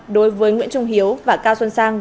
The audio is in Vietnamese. đối với nguyễn trung hiếu và cao xuân sang